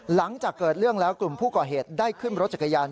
หลังจากเกิดเรื่องแล้วกลุ่มผู้ก่อเหตุได้ขึ้นรถจักรยาน